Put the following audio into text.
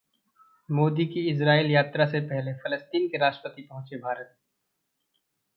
मोदी की इस्राइल यात्रा से पहले फलस्तीन के राष्ट्रपति पहुंचे भारत